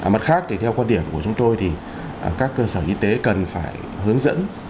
mặt khác thì theo quan điểm của chúng tôi thì các cơ sở y tế cần phải hướng dẫn